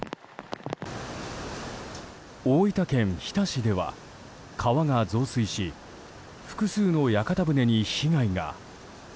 大分県日田市では、川が増水し複数の屋形船に被害が。